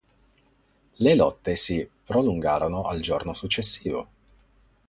Le lotte si prolungarono al giorno successivo.